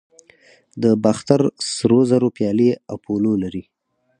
د باختر سرو زرو پیالې اپولو لري